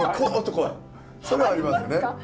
それはありますね。